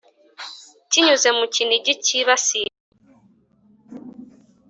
kinyuze mu Kinigi kibasiye